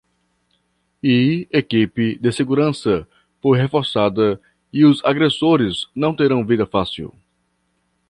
E equipe de segurança foi reforçada e os agressores não terão vida fácil